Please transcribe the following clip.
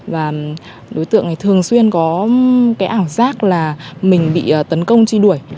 và đối tượng này thường xuyên có cái ảo giác là mình bị tấn công truy đuổi